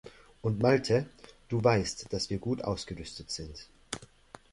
Und Malte, du weißt, dass wir gut ausgerüstet sind.